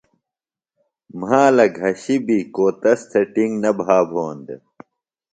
مھالہ گھشیۡ بیۡ کو تس تھےۡ ٹِنگ نہ بھا بھون دےۡ۔